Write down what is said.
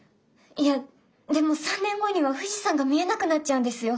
いやでも３年後には富士山が見えなくなっちゃうんですよ。